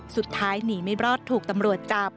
สุดท้ายหนีไม่รอดถูกตำรวจจับ